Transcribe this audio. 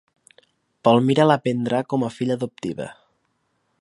Palmira la prendrà com a filla adoptiva.